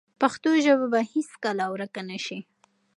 پښتو ژبه به هیڅکله ورکه نه شي.